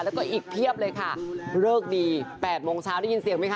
แล้วก็อีกเพียบเลยค่ะเลิกดี๘โมงเช้าได้ยินเสียงไหมค